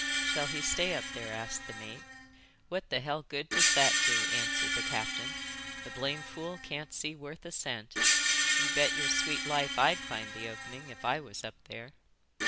"Shall he stay up there?" asked the mate. "What the hell good does that do?" answered the captain. "The blame fool can't see worth a cent. You bet your sweet life I'd find the opening if I was up there."